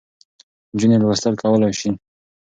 نجونې لوستل کولای سي.